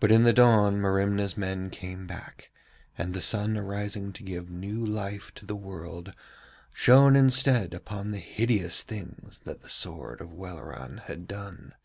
But in the dawn Merimna's men came back, and the sun arising to give new life to the world, shone instead upon the hideous things that the sword of Welleran had done.